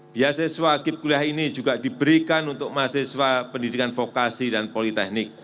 beasiswa kip kuliah ini juga diberikan untuk mahasiswa pendidikan vokasi dan politeknik